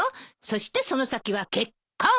そしてその先は結婚！